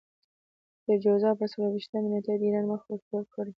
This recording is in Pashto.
د جوزا پر څلور وېشتمه نېټه د ايران مخ ورتور کړئ.